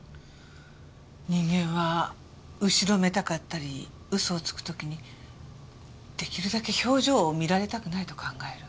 人間は後ろめたかったり嘘をつく時に出来るだけ表情を見られたくないと考える。